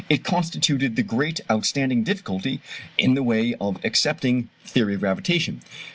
It constituted the great outstanding difficulty in the way of accepting the theory of gravitation.